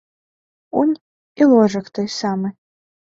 Унь і ложак той самы.